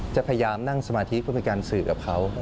จะพยายามนั่งสมาธิเพื่อเป็นการสื่อกับเขา